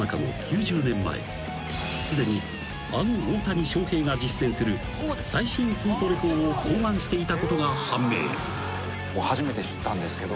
［すでにあの大谷翔平が実践する最新筋トレ法を考案していたことが判明］